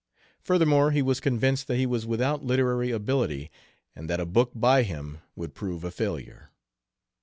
Furthermore, he was convinced that he was without literary ability and that a book by him would prove a failure.